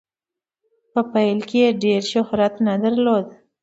په پیل کې یې ډیر شهرت نه درلود.